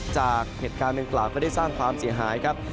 จากเหตุการณ์ดังกล่าวก็ได้สร้างความเสียหายครับ